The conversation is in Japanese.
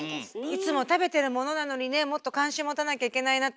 いつも食べてるものなのにねもっと関心持たなきゃいけないなと思いました。